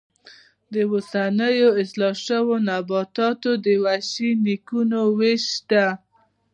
د اوسنیو اصلاح شویو نباتاتو د وحشي نیکونو وېش شته.